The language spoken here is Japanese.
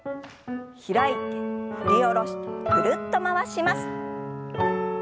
開いて振り下ろしてぐるっと回します。